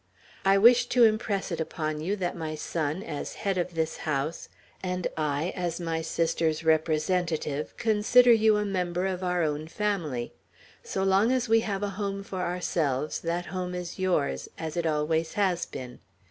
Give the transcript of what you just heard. I wish to impress it upon you that my son, as head of this house, and I, as my sister's representative, consider you a member of our own family. So long as we have a home for ourselves, that home is yours, as it always has been.